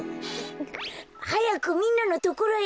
はやくみんなのところへいって！